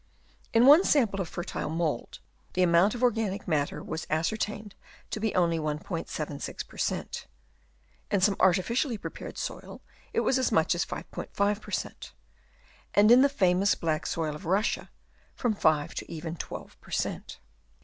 In one sample of fertile mould the amount of organic matter was ascertained to be only 1*76 per cent. ; in some artificially prepared soil it was as much as 5*5 per cent., and in the famous black soil of Russia from 5 to even 12 per cent.